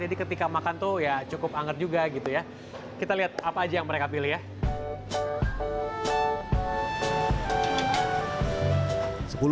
jadi ketika makan itu ya cukup anggar juga gitu ya kita lihat apa aja yang mereka pilih ya